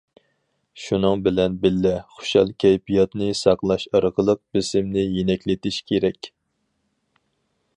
شۇنىڭ بىلەن بىللە، خۇشال كەيپىياتنى ساقلاش ئارقىلىق بېسىمنى يېنىكلىتىش كېرەك.